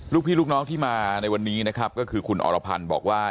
ลูกพี่ลูกน้องที่มาในวันนี้นะครับก็คือคุณอรพันธ์บอกว่า